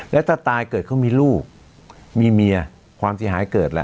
แล้วถ้าตายเกิดเขามีลูกมีเมียความเสียหายเกิดล่ะ